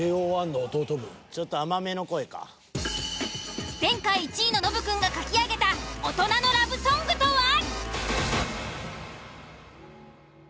ちょっと前回１位のノブくんが書き上げた大人のラブソングとは？